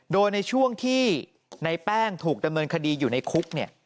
โดยในช่วงที่ในแป้งถูกดำเนินคดีอยู่ในคุก